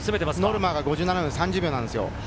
ノルマが５７分３０秒なんですよ。